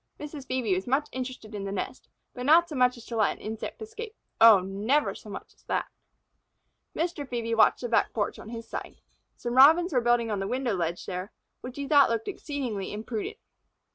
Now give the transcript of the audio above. Mrs. Phœbe was much interested in the nest, but not so much as to let an insect escape. Oh, never so much as that! Mr. Phœbe watched the back porch on his side. Some Robins were building on a window ledge there, which he thought exceeding imprudent.